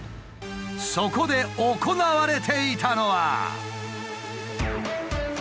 そこで行われていたのは。